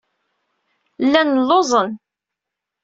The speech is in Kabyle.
Llan lluẓen.